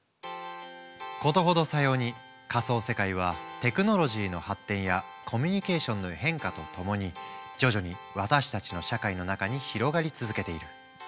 事ほどさように仮想世界はテクノロジーの発展やコミュニケーションの変化とともに徐々に私たちの社会の中に広がり続けている。